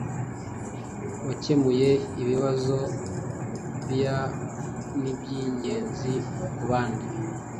wakemuye ibibazo bia nibyingenzi kubandi